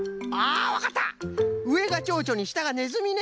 うえがちょうちょにしたがねずみね！